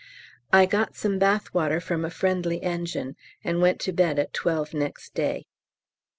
I got some bath water from a friendly engine, and went to bed at 12 next day.